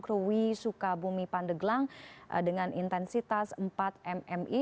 krui sukabumi pandeglang dengan intensitas empat mmi